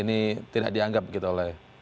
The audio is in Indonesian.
ini tidak dianggap gitu oleh